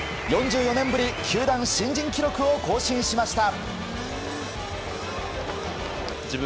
４４年ぶり球団新人記録を更新しました。